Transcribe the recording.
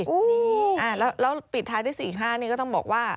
นี่แล้วปิดท้ายที่๔๕ก็ต้องบอกว่า